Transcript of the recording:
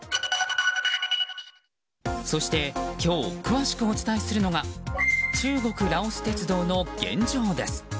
そして、今日詳しくお伝えするのが中国ラオス鉄道の現状です。